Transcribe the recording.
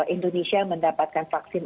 indonesia mendapatkan vaksin